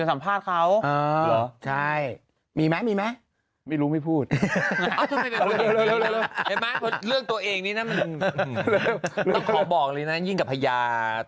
เอาอ่ะใช่มีแมงนะคะไม่รู้ไม่พูดเรื่องตัวเองต้องกดบอกเลยนะยิงกับไทยอาาท